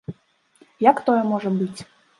Як тое можа быць?